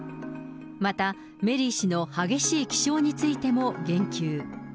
また、メリー氏の激しい気性についても言及。